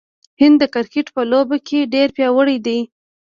هند د کرکټ په لوبه کې ډیر پیاوړی دی.